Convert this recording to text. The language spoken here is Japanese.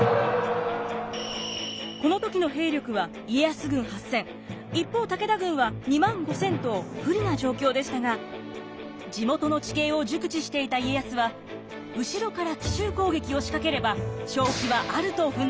この時の兵力は家康軍８，０００一方武田軍は２万５，０００と不利な状況でしたが地元の地形を熟知していた家康は後ろから奇襲攻撃を仕掛ければ勝機はあると踏んだのです。